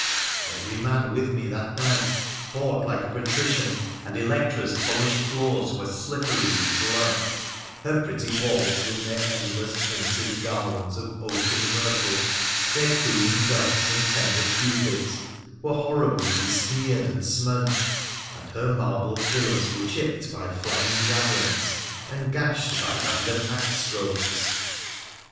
Every man with me that night fought like a patrician, and Electra's polished floors were slippery with blood ; her pretty walls, with their endless painted garlands of oak and myrtle, their cooing doves and tender Cupids, were horribly besmeared and smudged ; and her marble pillars were chipped by flying javelins and gashed by random axe strokes.